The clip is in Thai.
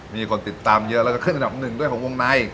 มีคนติดตามเยอะแล้วก็ขึ้นอันดับหนึ่งด้วยของวงใน